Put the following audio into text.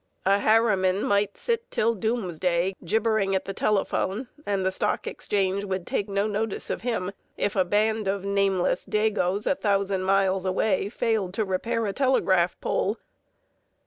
A Harriman might sit till doomsday gibbering at the telephone and the stock exchange would take no notice of him if a band of nameless "Dagos" a thousand miles away failed to repair a telegraph pole.